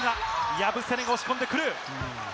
ヤブセレが押し込んでくる。